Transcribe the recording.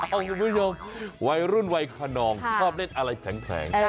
คุณผู้ชมวัยรุ่นวัยคนนองชอบเล่นอะไรแผง